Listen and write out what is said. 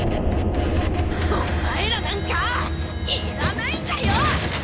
お前らなんかいらないんだよ！